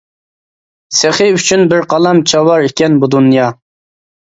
سېخى ئۈچۈن بىر قالام چاۋار ئىكەن بۇ دۇنيا.